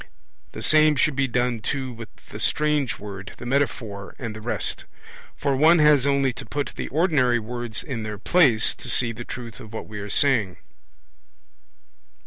The same should be done too with the strange word, the metaphor, and the rest; for one has only to put the ordinary words in their place to see the truth of what we are saying.